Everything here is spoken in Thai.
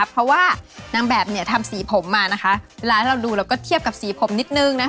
เพราะว่านางแบบทำสีผมมาเวลาที่เราดูก็เทียบกับสีผมนิดหนึ่ง